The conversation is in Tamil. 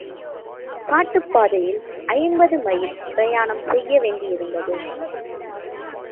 காட்டுப்பாதையில் ஐம்பது மைல் பிரயாணம் செய்ய வேண்டியிருந்தது.